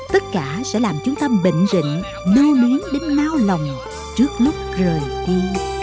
tất cả sẽ làm chúng ta bệnh rịnh đu nến đến máu lòng trước lúc rời đi